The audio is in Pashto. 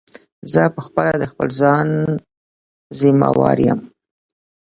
زه په خپله د خپل ځان ضیموار یم.